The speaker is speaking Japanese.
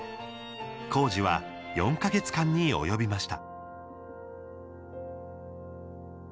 工事は４か月間に及びました。